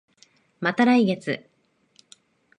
また来月